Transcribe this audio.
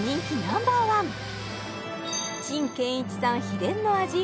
ナンバーワン陳建一さん秘伝の味